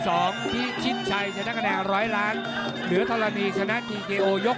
โอ้โห